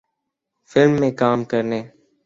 film میں کام کرنے